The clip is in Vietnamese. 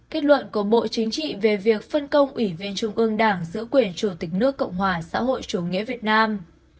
kết luận của bộ chính trị về việc phân công ủy viên trung ương đảng giữ quyền chủ tịch nước cộng hòa xã hội chủ nghĩa việt nam